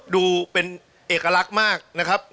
ดูเป็นเอกลักษณ์มากนะครับ